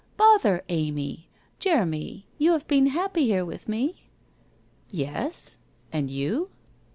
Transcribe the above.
' Bother Amy ! Jeremy, you have been happy here with me?' 1 Yes, and you